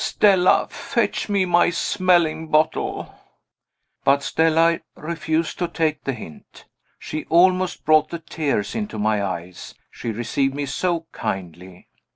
Stella, fetch me my smelling bottle." But Stella refused to take the hint. She almost brought the tears into my eyes, she received me so kindly.